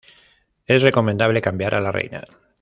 Es recomendable cambiar a la reina.